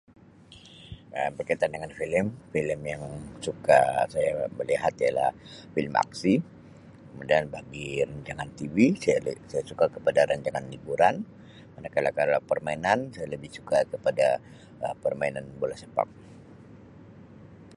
Um Berkaitan dengan filem filem yang suka saya melihat ialah filem aksi kemudian bagi rancangan TV sa-saya suka kepada rancangan hiburan manakala-kala permainan saya lebih suka kepada Um permainan bola sepak.